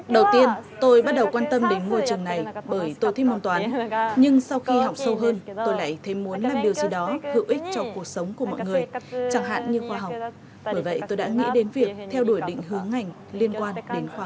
đầu tiên tôi bắt đầu quan tâm đến môi trường này bởi tôi thích môn toán nhưng sau khi học sâu hơn tôi lại thấy muốn làm điều gì đó hữu ích cho cuộc sống của mọi người chẳng hạn như khoa học bởi vậy tôi đã nghĩ đến việc theo đuổi định hướng ngành liên quan đến khoa học